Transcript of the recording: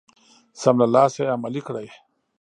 سم له لاسه يې عملي کړئ.